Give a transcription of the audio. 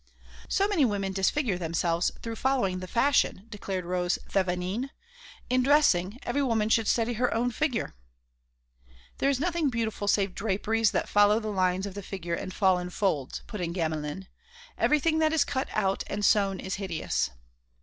"So many women disfigure themselves through following the fashion!" declared Rose Thévenin. "In dressing every woman should study her own figure." "There is nothing beautiful save draperies that follow the lines of the figure and fall in folds," put in Gamelin. "Everything that is cut out and sewn is hideous."